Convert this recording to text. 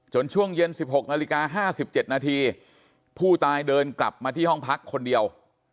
ช่วงเย็น๑๖นาฬิกา๕๗นาทีผู้ตายเดินกลับมาที่ห้องพักคนเดียว